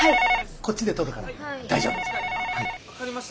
こっちで取るから大丈夫。